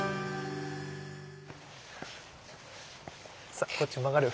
さあこっち曲がる。